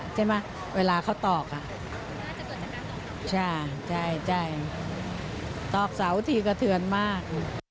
ใช่ไหมเวลาเขาตอกใช่ตอกเสาที่กระเทือนมาก